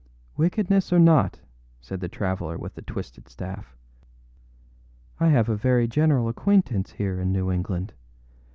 â âWickedness or not,â said the traveller with the twisted staff, âI have a very general acquaintance here in New England.